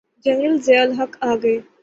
General Zia ul Haq گئے۔